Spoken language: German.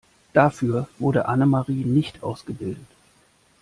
Dafür wurde Annemarie nicht ausgebildet.